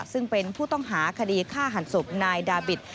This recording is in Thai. ซึ่งเป็นผู้ต้องหาคดีฆ่าหันศพนายดาบิต